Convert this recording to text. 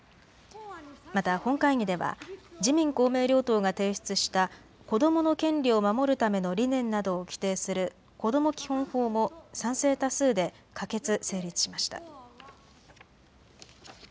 また本会議では自民公明両党が提出した子どもの権利を守るための理念などを規定するこども基本法も賛成多数で可決・成立しました。